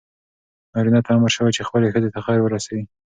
نارینه ته امر شوی چې خپلې ښځې ته خیر ورسوي.